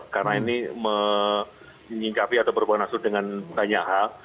karena ini menyingkapi atau berpengalaman dengan tanya hal